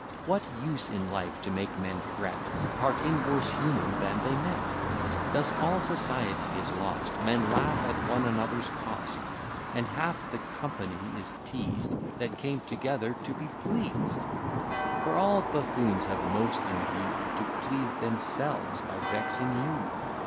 What use in life to make men fret, Part in worse humour than they met? Thus all society is lost, Men laugh at one another's cost: And half the company is teazed That came together to be pleased: For all buffoons have most in view To please themselves by vexing you.